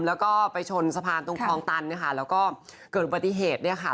แล้วก็ไปชนสะพานตรงคลองตันนะคะแล้วก็เกิดอุบัติเหตุเนี่ยค่ะ